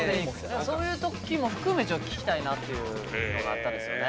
そういう時も含めちょっと聞きたいなっていうのがあったんですよね。